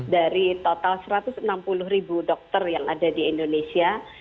dari total satu ratus enam puluh ribu dokter yang ada di indonesia